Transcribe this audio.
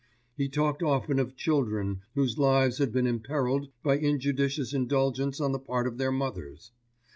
He talked often of children whose lives had been imperilled by injudicious indulgence on the part of their mothers.